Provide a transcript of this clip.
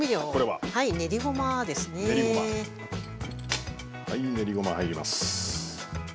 はい練りごま入ります。